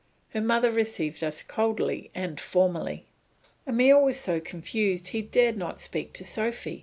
Her mother received us coldly and formally. Emile was so confused he dared not speak to Sophy.